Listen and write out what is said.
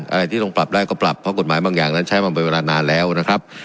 อะไรที่ต้องปรับได้ก็ปรับเพราะกฎหมายบางอย่างนั้นใช้มาเป็นเวลานานแล้วนะครับ